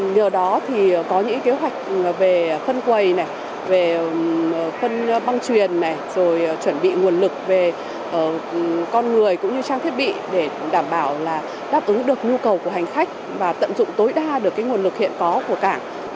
nhờ đó có những kế hoạch về phân quầy phân băng truyền chuẩn bị nguồn lực về con người cũng như trang thiết bị để đảm bảo đáp ứng được nhu cầu của hành khách và tận dụng tối đa được nguồn lực hiện có của cảng